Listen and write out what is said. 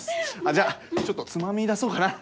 じゃあちょっとツマミ出そうかな。